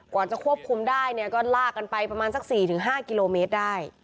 กว่าจะควบคุมได้เนี่ยก็ลากกันไปประมาณสัก๔๕กิโลเมตรได้